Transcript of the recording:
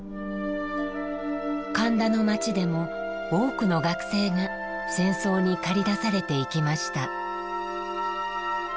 神田の街でも多くの学生が戦争に駆り出されていきました。